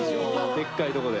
でっかいとこで！